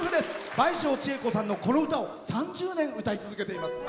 倍賞千恵子さんのこの歌を３０年歌い続けています。